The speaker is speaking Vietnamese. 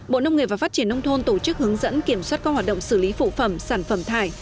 bộ nông nghiệp và phát triển nông thôn tổ chức hướng dẫn kiểm soát các hoạt động xử lý phụ phẩm sản phẩm thải